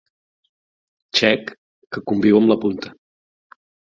Xec que conviu amb la punta.